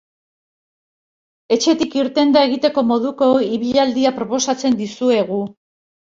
Etxetik irtenda egiteko moduko ibilaldia proposatzen dizuegu.